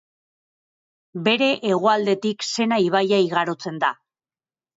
Bere hegoaldetik Sena ibaia igarotzen da.